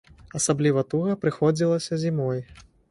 Асабліва туга прыходзілася зімой.